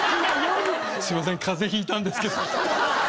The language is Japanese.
「すいません風邪ひいたんですけど」。